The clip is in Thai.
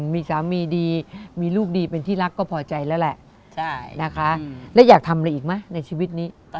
มีสามีดีมีลูกดีเป็นที่รักก็พอใจแล้วแหละนะคะแล้วอยากทำอะไรอีกไหมในชีวิตนี้